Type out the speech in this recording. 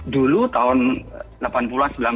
dulu tahun delapan puluh an